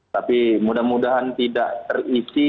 tapi mudah mudahan tidak terisi